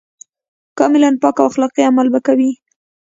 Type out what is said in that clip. کاملاً پاک او اخلاقي عمل به کوي.